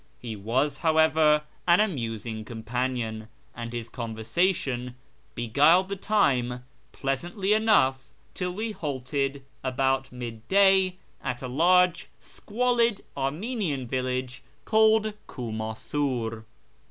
He was, liowever, an amusing companion, and liis conversation beguiled the time pleasantly enough till "vve halted about mid day at a large squalid Armenian village called Kunuisur.